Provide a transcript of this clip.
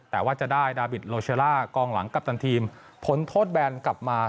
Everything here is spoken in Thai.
แต่ว่าจะได้ดาบิตโลเชล่ากองหลังกัปตันทีมผลโทษแบนกลับมา